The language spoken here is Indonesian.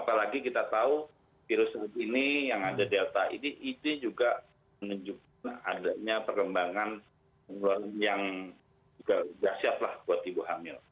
apalagi kita tahu virus ini yang ada delta ini ini juga menunjukkan adanya perkembangan yang siap buat ibu hamil